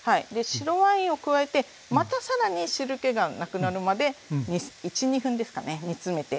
白ワインを加えてまた更に汁けがなくなるまで１２分ですかね煮詰めていきます。